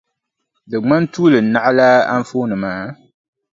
Di ŋmani tuuli naɣilaa anfooni maa?